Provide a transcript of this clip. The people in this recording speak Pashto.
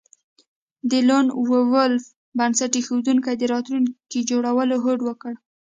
د لون وولف بنسټ ایښودونکو د راتلونکي جوړولو هوډ وکړ